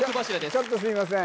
ちょっとすいません